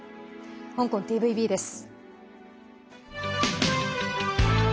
香港ＴＶＢです。